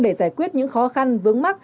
để giải quyết những khó khăn vướng mắt